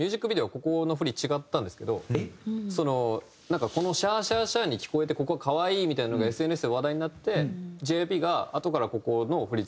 ここの振り違ったんですけどなんかこの「シャーシャーシャー」に聞こえてここ可愛いみたいなのがＳＮＳで話題になってＪＹＰがあとからここの。